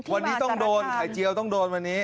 วันนี้ต้องโดนไข่เจียวต้องโดนวันนี้